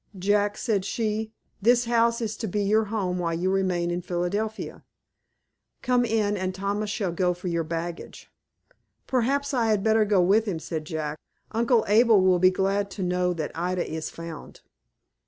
"Jack," said she, "this house is to be your home while you remain in Philadelphia. Come in, and Thomas shall go for your baggage." "Perhaps I had better go with him," said Jack. "Uncle Abel will be glad to know that Ida is found."